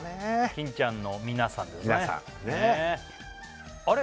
金ちゃんの皆さんですねねえあれ？